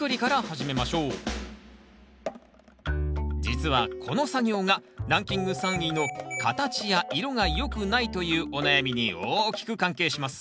実はこの作業がランキング３位の形や色がよくないというお悩みに大きく関係します。